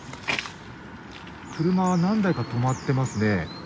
車が何台か止まっていますね。